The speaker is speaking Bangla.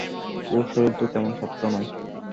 ওর শরীর তো তেমন শক্ত নয়।